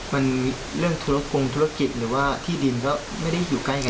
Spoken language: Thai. มันเรื่องธุรกงธุรกิจหรือว่าที่ดินก็ไม่ได้อยู่ใกล้กัน